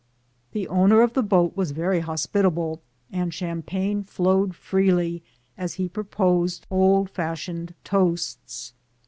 The owner of the boat was very hospitable, and champagne flowed freely as he proposed old fashioned toasts.